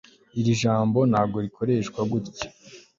iri jambo ntabwo rikoreshwa gutya